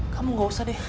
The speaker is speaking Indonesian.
kamu gak usah deh